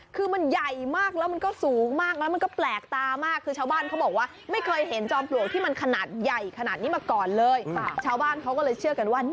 คือมันใหญ่มากแล้วมันก็สูงมากแล้วมันก็แปลกตามาก